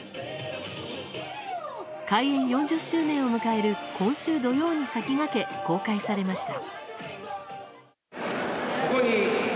開園４０周年を迎える今週土曜に先駆け公開されました。